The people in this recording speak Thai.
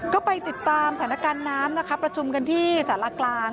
ก็ไปติดตามสถานการณ์น้ำนะคะประชุมกันที่สารกลาง